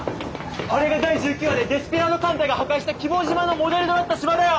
あれが第１９話でデスペラード艦隊が破壊した希望島のモデルとなった島だよ！